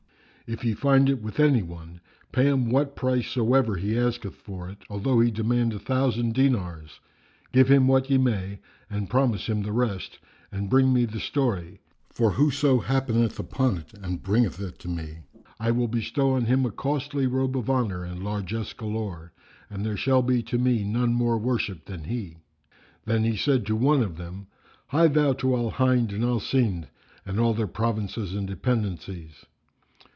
If ye find it with any one, pay him what price soever he asketh for it although he demand a thousand dinars; give him what ye may and promise him the rest and bring me the story; for whoso happeneth on it and bringeth it to me, I will bestow on him a costly robe of honour and largesse galore, and there shall be to me none more worshipped than he." Then said he to one of them, "Hie thou to Al Hind and Al Sind and all their provinces and dependencies."